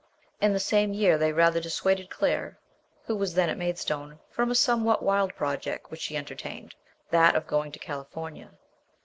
In the same year they rather dissuaded Claire, who was then at Maid stone, from a somewhat wild project which she enter tained, that of going to California.